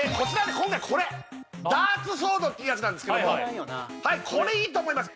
今回これダーツソードっていうやつなんですけどこれいいと思います